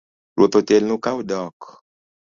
Ruoth otelnu ka udok